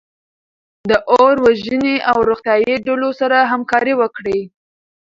د اور وژنې او روغتیایي ډلو سره همکاري وکړئ.